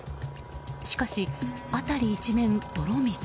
しかし、辺り一面泥水。